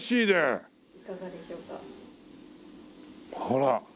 ほら！